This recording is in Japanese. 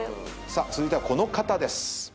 さあ続いてはこの方です。